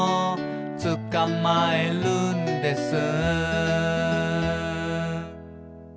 「つかまえるんです」